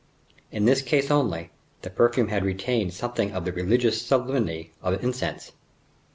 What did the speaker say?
In this case only, the perfume had retained something of the religious sublimity of incense.